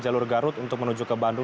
tapi juga untuk para penduduk